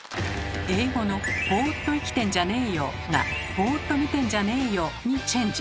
英語の「ボーっと生きてんじゃねーよ」が「ボーっと見てんじゃねーよ」にチェンジ。